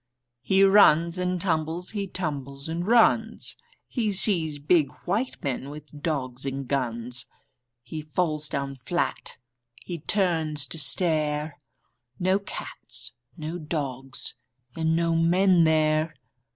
He runs and tumbles, he tumbles and runs. He sees big white men with dogs and guns. He falls down flat. H)e turns to stare — No cats, no dogs, and no men there.